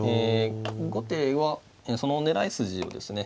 後手はその狙い筋をですね